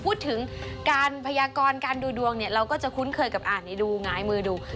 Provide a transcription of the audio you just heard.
พูดถึงการพยากรการดูดวงเนี่ยเราก็จะคุ้นเคยกับอ่านนี้ดูหงายมือดู